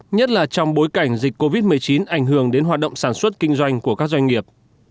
nhất là trong bối cảnh dịch covid một mươi chín ảnh hưởng đến hoạt động sản xuất kinh doanh của các doanh nghiệp